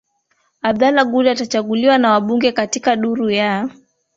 Abdullah Gul atachaguliwa na wabunge katika duru ya